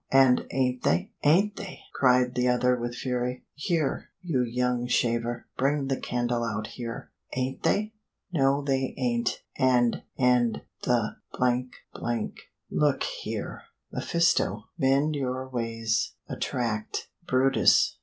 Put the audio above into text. and ain't they?" "Ain't they!" cried the other with fury. "Here, you young shaver, bring the candle out here. Ain't they? No they ain't and and the . Look here!" mephisto. "'Mend your Ways,' a tract." brutus.